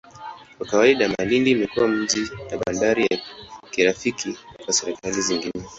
Kwa kawaida, Malindi umekuwa mji na bandari ya kirafiki kwa serikali zingine.